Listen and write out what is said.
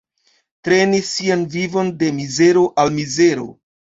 Treni sian vivon de mizero al mizero.